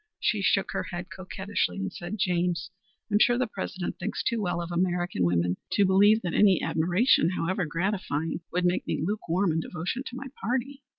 She shook her head coquettishly and said: "James, I'm sure the President thinks too well of American women to believe that any admiration, however gratifying, would make me lukewarm in devotion to my party."